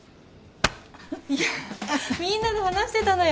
いやみんなで話してたのよ